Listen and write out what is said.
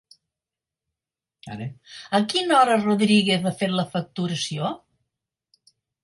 A quina hora Rodríguez ha fet la facturació?